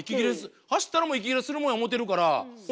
走ったらもう息切れするもんや思てるから。